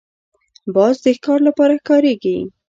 باز د ښکار لپاره کارېږي